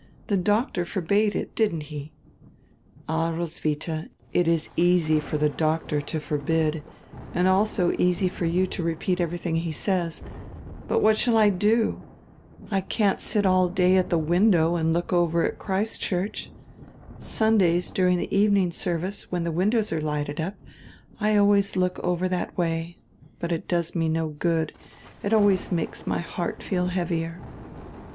The doctor forbade it, didn't he?" "All, Roswitha, it is easy for the doctor to forbid, and also easy for you to repeat everything he says. But what shall I do? I can't sit all day long at the window and look over toward Christ's Church. Sundays, during the evening service, when the windows are lighted up, I always look over that way; but it does me no good, it always makes my heart feel heavier."